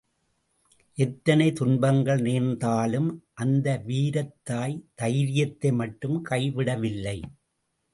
எத்தனை துன்பங்கள் நேர்ந்தாலும், அந்த வீரத் தாய் தைரியத்தை மட்டும் கைவிடவில்லை.